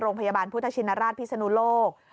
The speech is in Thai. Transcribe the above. โรงพยาบาลพุทธชินราชพิศนุโลก